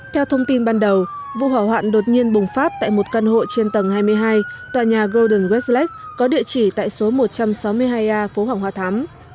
theo thông tin ban đầu vụ hỏa hoạn đột nhiên bùng phát tại một căn hộ trên tầng hai mươi hai tòa nhà golden westlak có địa chỉ tại số một trăm sáu mươi hai a phố hoàng hoa thám